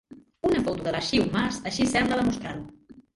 Una foto de l'Arxiu Mas així sembla demostrar-ho.